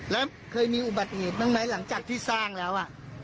แล้วเคยมีอุบัติเหตุบ้างไหมหลังจากที่สร้างแล้ว